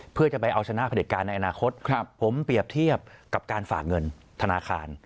เพื่อจะไปเอาชนะผลิตการในอนาคตผมเปรียบเทียบกับการฝากเงินธนาคาร